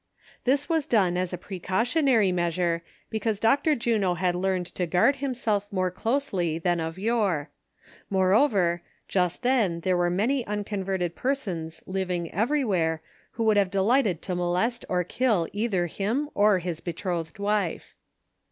This was done as a precautionary measure, because Dr. Juno had learned to guard himself more closely than of yore ; moreover, just then there were many xniconverted persons living everywhere who would have delighted to molest or kill either him or his betrothed wife.